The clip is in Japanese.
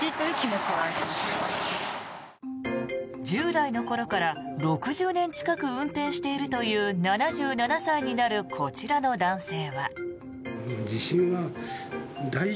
１０代の頃から６０年近く運転しているという７７歳になるこちらの男性は。